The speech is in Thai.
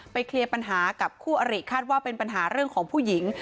เคลียร์ปัญหากับคู่อริคาดว่าเป็นปัญหาเรื่องของผู้หญิง